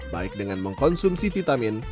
baik dengan mengkonsumsi vitamin